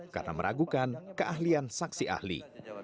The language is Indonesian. karena meragukan keahlian saksi ahli